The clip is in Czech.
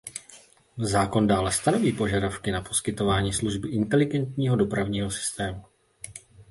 Zákon dále stanoví požadavky na poskytování služby inteligentního dopravního systému.